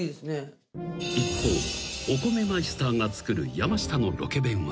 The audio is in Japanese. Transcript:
［一方お米マイスターが作るやましたのロケ弁は］